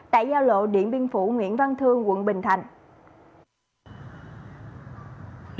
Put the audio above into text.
tại giao lộ điện biên phủ nguyễn văn thương quận bình thạnh